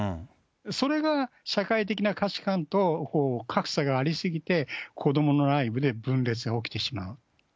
それが社会的な価値観と格差がありすぎて、子どもの内部で分裂が起きてしまう。